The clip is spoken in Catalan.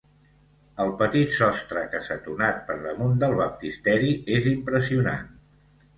El petit sostre cassetonat per damunt del baptisteri és impressionant.